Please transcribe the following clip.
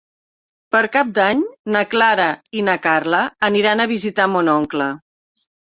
Per Cap d'Any na Clara i na Carla aniran a visitar mon oncle.